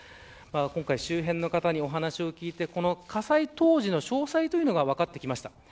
周辺の方にお話を聞くと火災当時の詳細が分かってきました。